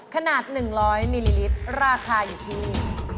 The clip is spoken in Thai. ขนาด๑๐๐มิลลิลิตรราคาอยู่ที่